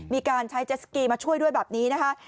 มีการใช้เจสสกีมาช่วยด้วยแบบนี้นะคะ